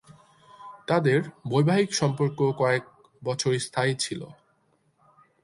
তাদের বৈবাহিক সম্পর্ক কয়েক বছর স্থায়ী ছিলো।